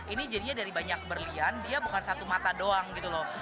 ini jadinya dari banyak berlian dia bukan satu mata doang gitu loh